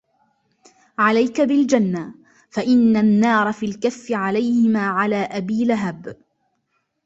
عليك بالجنة فإن النار في الكف عليه ما على أبي لهب